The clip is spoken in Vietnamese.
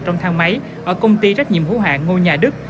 trong thang máy ở công ty trách nhiệm hữu hạng ngôi nhà đức